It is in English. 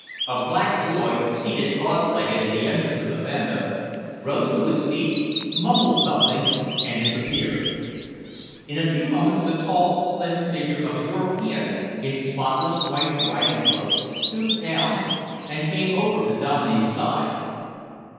A black boy, seated cross legged in the entrance of the banda, rose to his feet, mumbled something and disappeared. In a few moments the tall, slim figure of a European, in spotless white riding clothes, stooped down and came over to Dominey's side.